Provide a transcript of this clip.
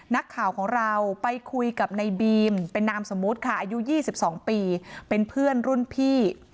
นักข่าวของเราไปคุยกับในบีมเป็นนามสมมุติค่ะอายุ๒๒ปีเป็นเพื่อนรุ่นพี่